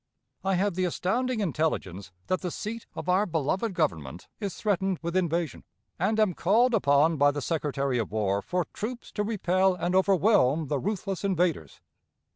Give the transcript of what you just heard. _ "I have the astounding intelligence that the seat of our beloved Government is threatened with invasion, and am called upon by the Secretary of War for troops to repel and overwhelm the ruthless invaders.